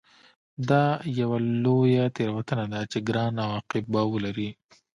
دا یوه لویه تېروتنه ده چې ګران عواقب به ولري